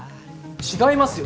違いますよ！